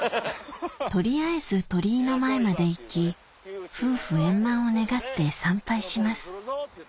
取りあえず鳥居の前まで行き夫婦円満を願って参拝します